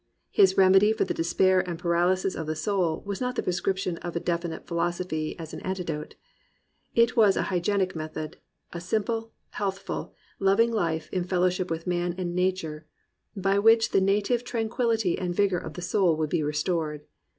His remedy for the despair and paralysis of the soul was not the prescription of a definite phi losophy as an antidote. It was a hygienic method, a simple, healthful, loving life in fellowship with man and nature, by which the native tranquillity and vigour of the soul would be restored.